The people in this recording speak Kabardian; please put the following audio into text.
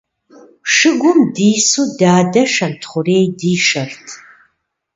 Шыгум дису дадэ Шэнтхъурей дишэрт.